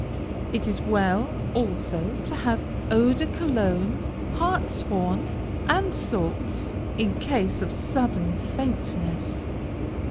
It is well, also, to have Eau de Cologne, hartshorn, and salts, in case of sudden faintness.